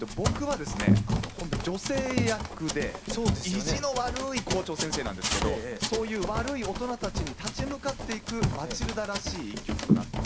意地の悪い校長先生なんですけどそういう悪い大人たちに立ち向かっていく「マチルダ」らしい一曲となっています。